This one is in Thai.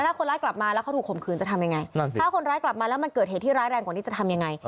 ถ้าคนร้ายกลับมาแล้วเขาถูกข่มขืนจะทำยังไงถ้าคนร้ายกลับมาแล้วมันเกิดเหตุที่ร้ายแรงกว่านี้จะทำยังไง